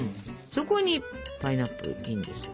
そこにパイナップルインですよ。